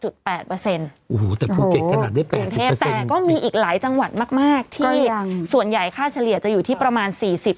แต่กรุงเทพก็มีอีกหลายจังหวัดมากที่ส่วนใหญ่ค่าเฉลี่ยจะอยู่ที่ประมาณ๔๐๕๐